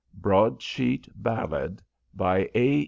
BROADSHEET BALLAD By A.